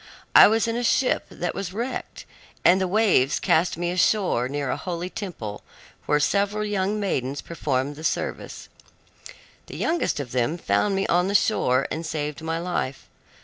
I was in a ship that was wrecked, and the waves cast me ashore near a holy temple where several young maidens performed the service. The youngest of them found me on the shore and saved my life.